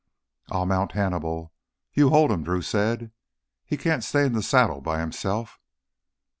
"I'll mount Hannibal. You hold him!" Drew said. "He can't stay in the saddle by himself."